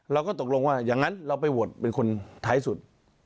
เราก็ตกลงว่าอย่างนั้นเราไปโหวตเป็นคนท้ายสุด